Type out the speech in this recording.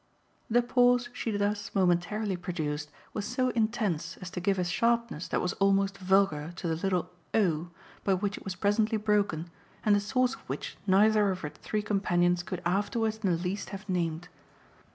The pause she thus momentarily produced was so intense as to give a sharpness that was almost vulgar to the little "Oh!" by which it was presently broken and the source of which neither of her three companions could afterwards in the least have named.